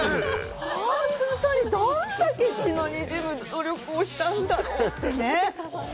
本当に、どんだけ血のにじむ努力をしたんだろうってね。